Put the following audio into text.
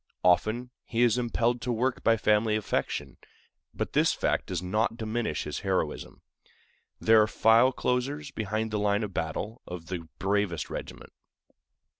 Often he is impelled to work by family affection, but this fact does not diminish his heroism. There are file closers behind the line of battle of the bravest regiment.